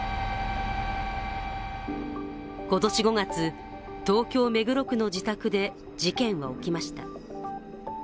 今年５月、東京・目黒区の自宅で事件は起きました。